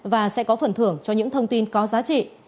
và sẽ có phần thưởng cho những thông tin có giá trị